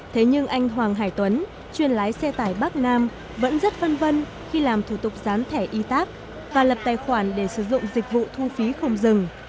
thế nhưng anh hoàng hải tuấn chuyên lái xe tải bắc nam vẫn rất vân vân khi làm thủ tục gián thẻ y tác và lập tài khoản để sử dụng dịch vụ thu phí không dừng